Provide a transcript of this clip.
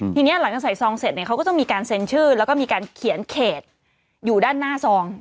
ทีนี้หลังจากใส่ซองเสร็จเนี่ยเขาก็ต้องมีการเซ็นชื่อแล้วก็มีการเขียนเขตอยู่ด้านหน้าซอง